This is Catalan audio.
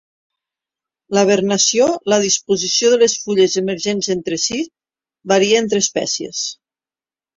La vernació, la disposició de les fulles emergents entre si, varia entre espècies.